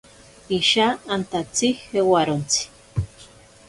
Isha antatsi jewarontsi.